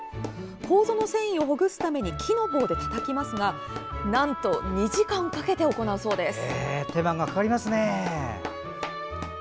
こうぞの繊維をほぐすために木の棒でたたきますがなんと２時間かけて行うそうです。